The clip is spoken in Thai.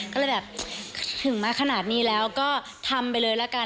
ก็เลยแบบถึงมาขนาดนี้แล้วก็ทำไปเลยละกัน